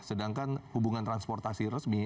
sedangkan hubungan transportasi resmi